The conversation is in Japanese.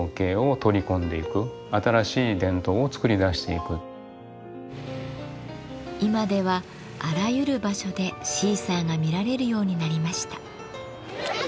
あるいはあるいは今ではあらゆる場所でシーサーが見られるようになりました。